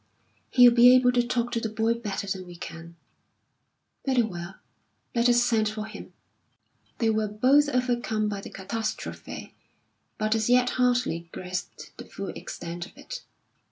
"He'll be able to talk to the boy better than we can." "Very well, let us send for him." They were both overcome by the catastrophe, but as yet hardly grasped the full extent of it.